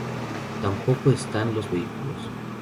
Tampoco están los vehículos.